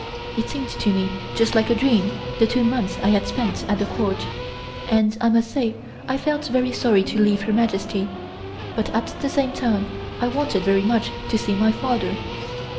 It seemed to me just like a dream the two months I had spent at the Court, and I must say I felt very sorry to leave Her Majesty, but at the same time I wanted very much to see my father.